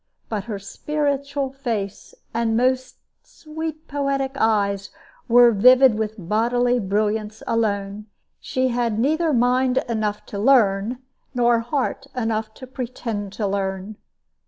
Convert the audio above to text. But her spiritual face and most sweet poetic eyes were vivid with bodily brilliance alone. She had neither mind enough to learn, nor heart enough to pretend to learn.